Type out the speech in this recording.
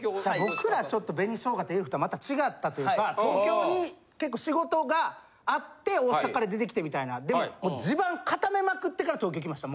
僕らちょっと紅しょうがとエルフとはまた違ったというか東京に結構仕事があって大阪から出てきてみたいなってもう地盤固めまくってから東京来ました